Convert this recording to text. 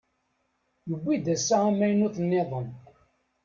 Yewwi-d ass-a amaynut-nniḍen.